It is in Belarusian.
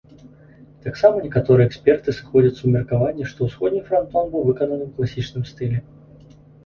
Таксама некаторыя эксперты сыходзяцца ў меркаванні, што ўсходні франтон быў выкананы ў класічным стылі.